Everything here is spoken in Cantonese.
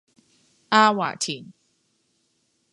阿華田